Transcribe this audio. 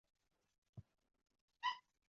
该山也是一等卫星控制点。